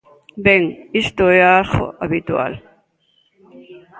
Ben, isto é algo habitual.